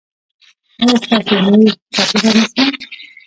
ایا ستاسو اونۍ ښه تیره نه شوه؟